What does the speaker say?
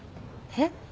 えっ？